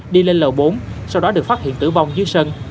đi lên l bốn sau đó được phát hiện tử vong dưới sân